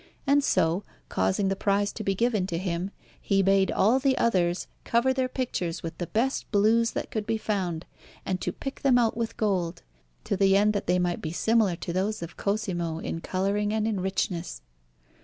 And so, causing the prize to be given to him, he bade all the others cover their pictures with the best blues that could be found, and to pick them out with gold, to the end that they might be similar to those of Cosimo in colouring and in richness.